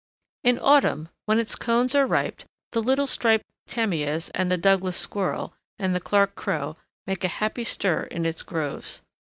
In autumn, when its cones are ripe, the little striped tamias, and the Douglas squirrel, and the Clark crow make a happy stir in its groves.